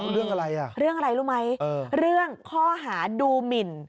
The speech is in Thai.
เรื่องอะไรอ่ะเรื่องอะไรรู้ไหมเรื่องข้อหาดูหมิน